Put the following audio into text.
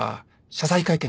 謝罪会見？